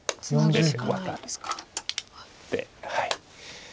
でワタって。